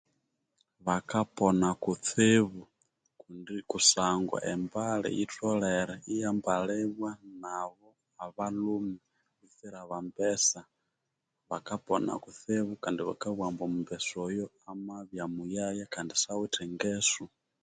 Bakapona kutsibu kusangwa embali yitjolere iyambalibwa nabo abalhume butsire abambesa. Bakapona kutsibu kandi bakabugja bati omumbesa oyo amabya muyaya kandi siawithe engeso